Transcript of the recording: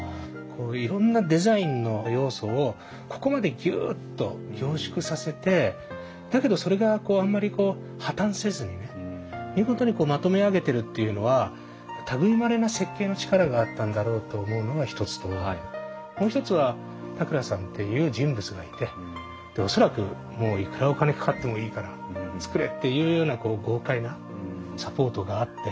こういろんなデザインの要素をここまでギュッと凝縮させてだけどそれがあんまり破綻せずにね見事にまとめ上げてるっていうのは類いまれな設計の力があったんだろうと思うのが一つともう一つは田倉さんっていう人物がいてで恐らくもういくらお金かかってもいいから作れっていうようなこう豪快なサポートがあって。